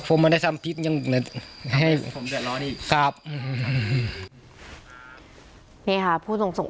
ผมไม่ได้ทำพิษยังให้ผมจะรอนี่ครับนี่ค่ะผู้ส่งส่ง